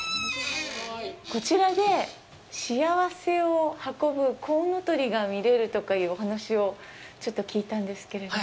こちらで幸せを運ぶコウノトリが見れるとかいうお話をちょっと聞いたんですけれども。